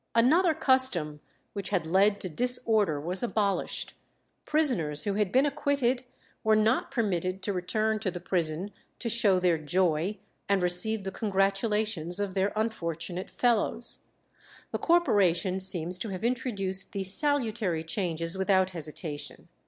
Another custom which had led to disorder was abolished; prisoners who had been acquitted were not permitted to return to the prison to show their joy and receive the congratulations of their unfortunate fellows. The Corporation seems to have introduced these salutary changes without hesitation.